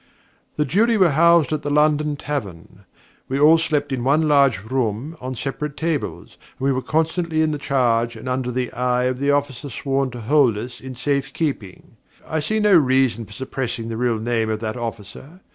The Jury were housed at the London Tavern. We all slept in one large room on separate tables, and we were constantly in the charge and under the eye of the officer sworn to hold us in safe keeping. I see no reason for suppressing the real name of that officer.